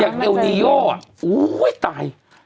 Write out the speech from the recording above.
อย่างเอลนิโย่อ่ะโอ้ยตาย